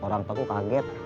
orang tua aku kaget